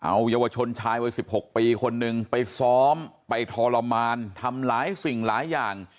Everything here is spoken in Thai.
เอาเยาวชนชายวัย๑๖ปีคนนึงไปซ้อมไปทรมานทำหลายสิ่งหลายอย่าง